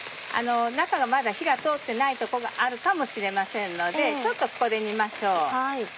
中がまだ火が通ってないとこがあるかもしれませんのでちょっとここで煮ましょう。